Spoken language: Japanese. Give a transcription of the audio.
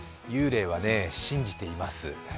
幽霊はね信じています。